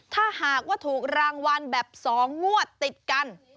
ถ้าหากว่าถูกรางวัลแบบ๒งวดติดกัน